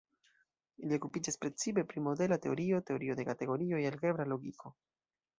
Li okupiĝas precipe pri modela teorio, teorio de kategorioj, algebra logiko.